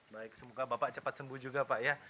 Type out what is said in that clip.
baik semoga bapak cepat sembuh juga pak ya